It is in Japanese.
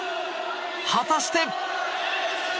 果たして。